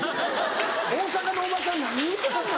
大阪のおばちゃん何言うてはんの？